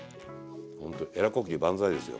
ほんとえら呼吸万歳ですよ。